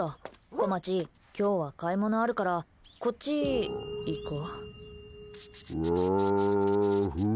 こまち、今日は買い物あるからこっち、行こう。